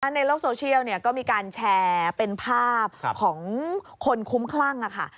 ในโลกโซเชียลก็มีการแชร์เป็นภาพของคนคุ้มคลั่งค่ะ